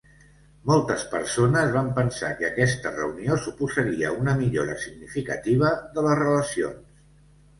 Moltes persones van pensar que aquesta reunió suposaria una millora significativa de les relacions.